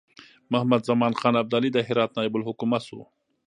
محمدزمان خان ابدالي د هرات نایب الحکومه شو.